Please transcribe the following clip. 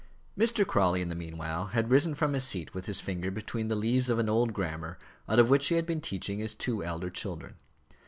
Mr. Crawley, in the meanwhile, had risen from his seat with his finger between the leaves of an old grammar out of which he had been teaching his two elder children.